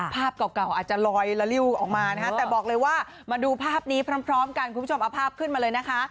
ภาพเก่าบอกเลยว่ามาดูภาพนี้พร้อมก็เลยนะคะ